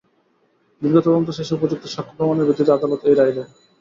দীর্ঘ তদন্ত শেষে উপযুক্ত সাক্ষ্য প্রমাণের ভিত্তিতে আদালত এই রায় দেন।